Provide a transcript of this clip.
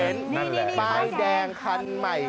รอรอสักครู่นะฮะเขากำลังลงมา